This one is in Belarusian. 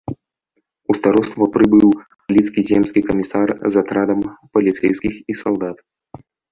У староства прыбыў лідскі земскі камісар з атрадам паліцэйскіх і салдат.